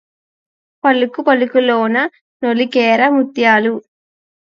పలుకుపలుకులోన నొలికెరా ముత్యాలు